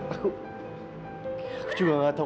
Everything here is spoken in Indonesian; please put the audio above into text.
aku juga nggak tahu